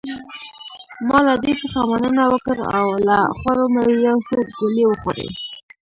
ما له دې څخه مننه وکړ او له خوړو مې یو څو ګولې وخوړې.